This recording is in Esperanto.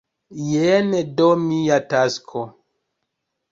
Jen do mia tasko!